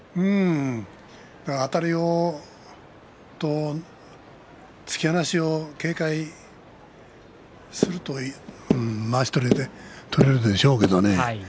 あたりと突き放しを警戒するとまわしを取れるでしょうけどね。